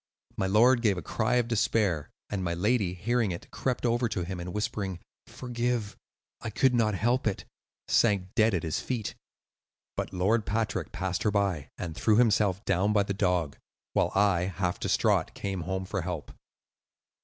My lord gave a cry of despair, and my lady, hearing it, crept over to him and whispering, 'Forgive; I could not help it,' sank dead at his feet. But Lord Patrick passed her by, and threw himself down by the dog; while I, half distraught, came home for help."